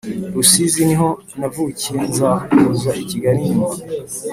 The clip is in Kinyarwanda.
rusizi niho navukiye nza kuza ikigali nyuma